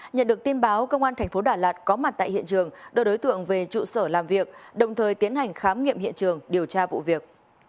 nhận được tin báo công an tp đà lạt có mặt tại hiện trường đưa đối tượng về trụ sở làm việc đồng thời tiến hành khám nghiệm hiện trường điều tra vụ việc